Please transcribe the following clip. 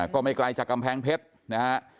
ก็ไม่ไกลจากกำแพงเพชรนะฮะ